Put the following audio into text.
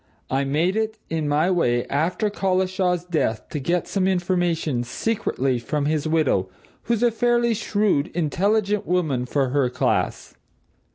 I made it in my way, after Collishaw's death, to get some information, secretly, from his widow, who's a fairly shrewd, intelligent woman for her class.